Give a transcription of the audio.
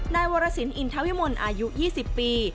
นายวรสินอินทวิมลอายุ๒๐ปี